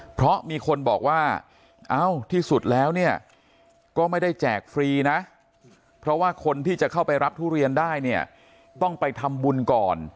เพราะมีคนบอกว่าเอ้าที่สุดแล้วเนี่ยก็ไม่ได้แจกฟรีนะเพราะว่าคนที่จะเข้าไปรับทุเรียนได้เนี่ยต้องไปทำบุญก่อน